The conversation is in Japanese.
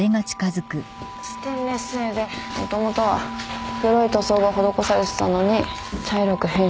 ステンレス製でもともとは黒い塗装が施されてたのに茶色く変色してる。